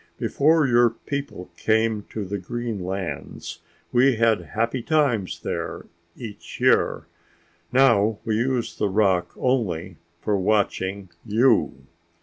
Before your people came to the green lands we had happy times there each year. Now we use the rock only for watching you."